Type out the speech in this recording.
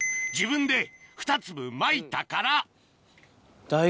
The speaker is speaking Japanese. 自分で２粒まいたから！